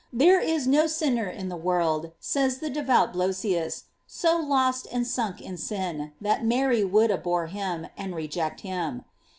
There is no sinner in the world, says the devout Blosius, so lost and sunk in sin, that Mary would abhor him and reject him.